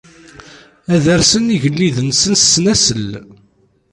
Ad arzen igelliden-nsen s ssnasel.